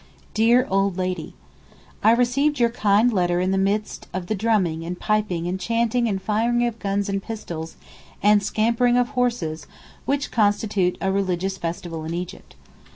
DEAR OLD LADY, I received your kind letter in the midst of the drumming and piping and chanting and firing of guns and pistols and scampering of horses which constitute a religious festival in Egypt.